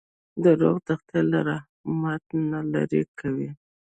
• دروغ د خدای له رحمت نه لرې کوي.